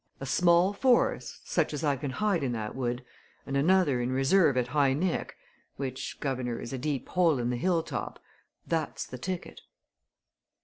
A small force such as I can hide in that wood, and another in reserve at High Nick, which, guv'nor, is a deep hole in the hill top that's the ticket!"